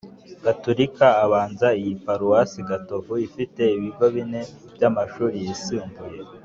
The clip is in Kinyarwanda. gaturika abanza iyi paruwasi gatovu ifite ibigo bineby’amashuri yisumbuye